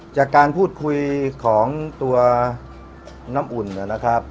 จากการพูดคุยของตัวน้ำอุ่นนะครับ